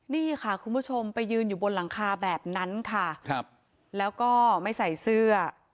นี่ค่ะคุณผู้ชมไปยืนอยู่บนหลังคาแบบนั้นค่ะครับแล้วก็ไม่ใส่เสื้อ